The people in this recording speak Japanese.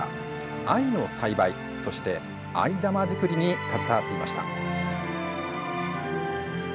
藍の栽培、そして藍玉作りに携わってきました。